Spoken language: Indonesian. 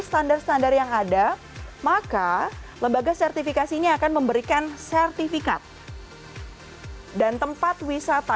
standar standar yang ada maka lembaga sertifikasinya akan memberikan sertifikat dan tempat wisata